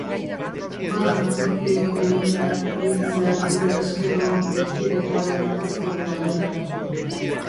Bat natorkio dioenean printzea gure esker on betierekoaren hartzekoduna dela.